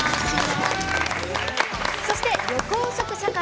そして、緑黄色社会。